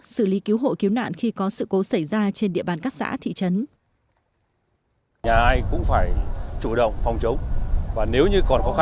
xử lý cứu hộ cứu nạn khi có sự cố xảy ra trên địa bàn các xã thị trấn